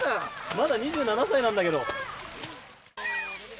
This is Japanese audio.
まだ２７歳なんだけど。